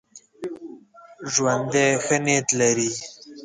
ژوندي ښه نیت لري